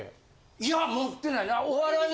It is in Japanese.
いや持ってない。